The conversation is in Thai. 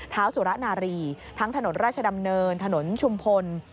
สุระนารีทั้งถนนราชดำเนินถนนชุมพล